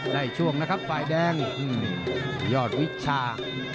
ช่วงนะครับฝ่ายแดงยอดวิชา